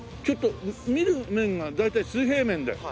ちょっと見る面が大体水平面で。